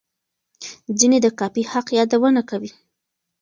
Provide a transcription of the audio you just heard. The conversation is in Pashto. ځینې د کاپي حق یادونه کوي.